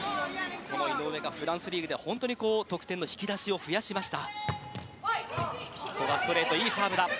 井上がフランスリーグで得点の引き出しを増やしました。